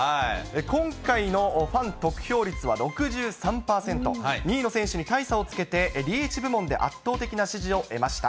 今回のファン得票率は６３％、２位の選手に大差をつけて、リーチ部門で圧倒的な支持を得ました。